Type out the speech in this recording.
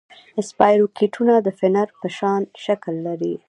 اسپایروکیټونه د فنر په شان شکل لري.